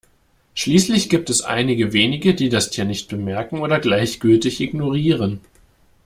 Schließlich gibt es einige wenige, die das Tier nicht bemerken oder gleichgültig ignorieren.